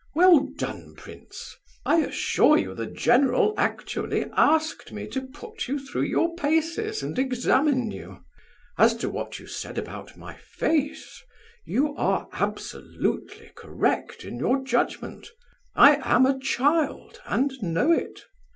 Well done, prince! I assure you the general actually asked me to put you through your paces, and examine you. As to what you said about my face, you are absolutely correct in your judgment. I am a child, and know it.